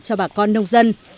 cho bà con nông dân